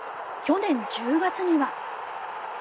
去年１０月には。